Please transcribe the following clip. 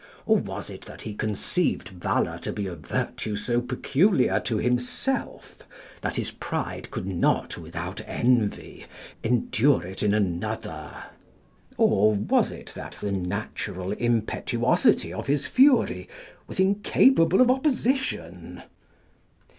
Or was it that he conceived valour to be a virtue so peculiar to himself, that his pride could not, without envy, endure it in another? Or was it that the natural impetuosity of his fury was incapable of opposition?